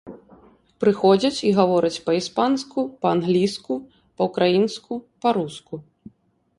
Прыходзяць і гавораць па-іспанску, па-англійску, па-ўкраінску, па-руску.